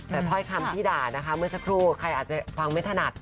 แต่ถ้อยคำที่ด่านะคะเมื่อสักครู่ใครอาจจะฟังไม่ถนัด